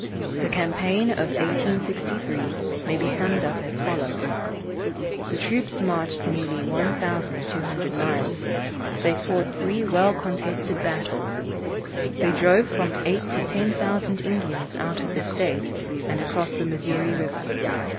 The campaign of 1863 may be summed up as follows: The troops marched nearly 1,200 miles. They fought three well contested battles. They drove from eight to ten thousand Indians out of the state, and across the Missouri river.